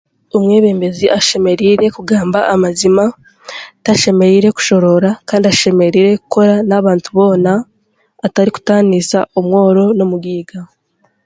Omwebembezi ashemereire kugamba amazima, tashemereire kushoroora kandi ashemereire kukora n'abantu boona atarikutaaniisa omworo n'omugaiga.